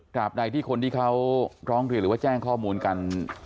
ใดที่คนที่เขาร้องเรียนหรือว่าแจ้งข้อมูลกัน